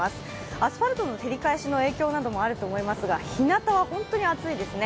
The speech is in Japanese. アスファルトの照り返しの影響などもあると思いますが日なたは本当に暑いですね。